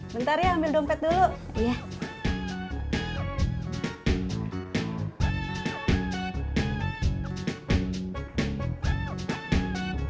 bentar ya ambil dompet dulu